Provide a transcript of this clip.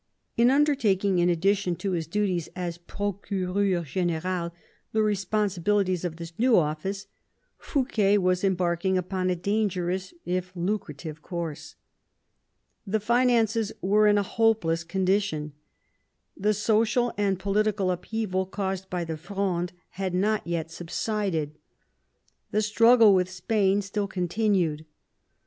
In undertaking, in addition to his duties as procureur gM^al, the responsi bilities of this new office, Fouquet was embarking upon a dangerous if lucrative course. The finances were in a hopeless condition. The social and political upheaval caused by the Fronde had not yet subsided ; the struggle with Spain still continued.